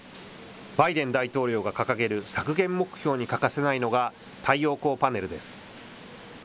バイデン大統領が掲げる削減目標に欠かせないのが、太陽光パネルです。